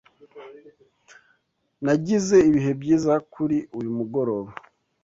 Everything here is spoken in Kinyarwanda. Nagize ibihe byiza kuri uyu mugoroba.